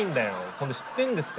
そんで知ってんですか？